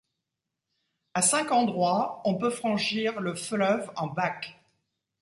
A cinq endroits, on peut franchir le fleuve en bac.